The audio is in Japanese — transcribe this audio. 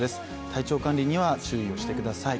体調管理には注意をしてください。